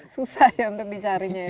susah ya untuk dicarinya